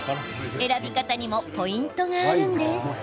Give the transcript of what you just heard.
選び方にもポイントがあるんです。